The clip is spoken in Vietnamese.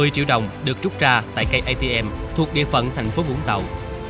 một mươi triệu đồng được rút ra tại cây atm thuộc địa phận thành phố vũng tàu